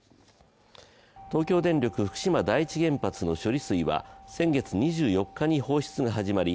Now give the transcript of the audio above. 東京電力福島第一原発の処理水は先月２４日に放出が始まり